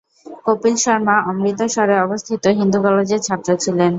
কপিল শর্মা অমৃতসরে অবস্থিত হিন্দু কলেজের ছাত্র ছিলেন।